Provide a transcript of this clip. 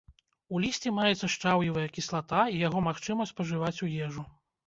У лісці маецца шчаўевая кіслата, і яго магчыма спажываць у ежу.